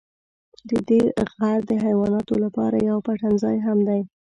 ددې غر د حیواناتو لپاره یو پټنځای هم دی.